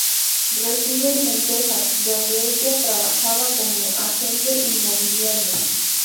Residen en Texas donde ella trabaja como agente inmobiliaria.